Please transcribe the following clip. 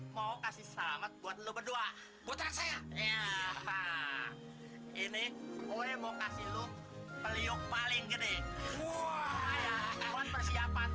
mau kasih selamat buat lu berdua putra saya ini gue mau kasih lu beliau paling gede persiapan